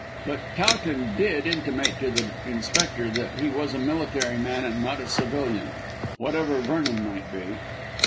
But Towton did intimate to the Inspector that he was a military man and not a civilian, whatever Vernon might be.